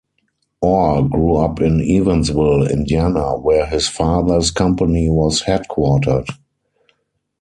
Orr grew up in Evansville, Indiana where his father's company was headquartered.